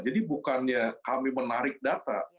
jadi bukannya kami menarik data